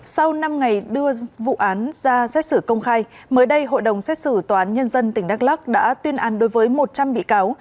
sau năm ngày đưa vụ án ra xét xử công khai mới đây hội đồng xét xử tòa án nhân dân tỉnh đắk lắc đã tuyên án đối với một trăm linh bị cáo